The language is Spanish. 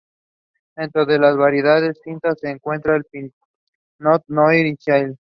Dentro de las variedades tintas se encuentran: Pinot Noir y Syrah.